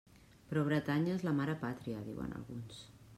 Però Bretanya és la mare pàtria, diuen alguns.